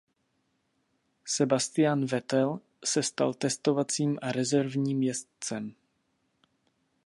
Sebastian Vettel se stal testovacím a rezervním jezdcem.